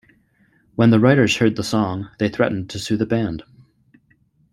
When the writers heard the song, they threatened to sue the band.